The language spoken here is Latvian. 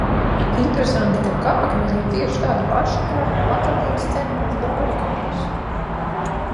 Interesanti, ka kapakmeņi ir tieši tādi paši kā vakardienas ceļmalas brāļu kapos.